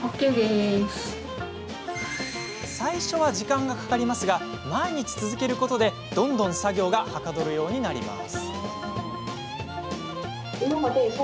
最初は時間がかかりますが毎日続けることでどんどん作業がはかどるようになるんです。